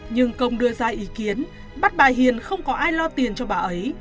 nhưng công đưa ra ý kiến bắt bà hiền không có ai lo tiền cho bà ấy